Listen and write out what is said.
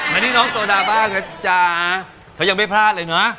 อันนี้น้องโซดาบ้างนะจ๊ะเขายังไม่พลาดเลยเนอะ